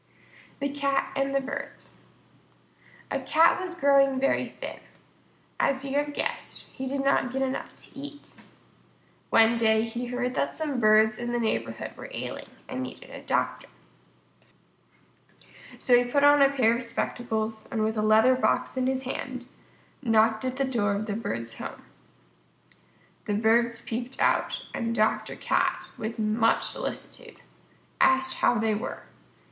_ THE CAT AND THE BIRDS A Cat was growing very thin. As you have guessed, he did not get enough to eat. One day he heard that some Birds in the neighborhood were ailing and needed a doctor. So he put on a pair of spectacles, and with a leather box in his hand, knocked at the door of the Bird's home. The Birds peeped out, and Dr. Cat, with much solicitude, asked how they were.